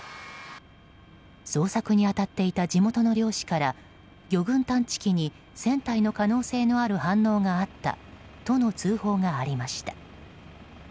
捜索に当たっていた地元の漁師から魚群探知機に船体の可能性のある反応があったとの通報がありました。